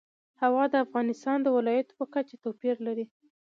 هوا د افغانستان د ولایاتو په کچه توپیر لري.